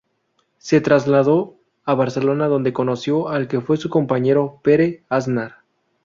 Se trasladó a Barcelona donde conoció al que fue su compañero, Pere Aznar.